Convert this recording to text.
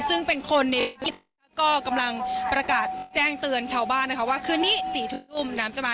ซึ่งเป็นคนในอิตแล้วก็กำลังประกาศแจ้งเตือนชาวบ้านนะคะว่าคืนนี้๔ทุ่มน้ำจะมา